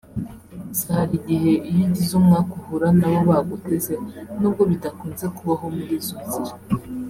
Gusa hari igihe iyo ugize umwaku uhura na bo baguteze nubwo bidakunze kubaho muri izo nzira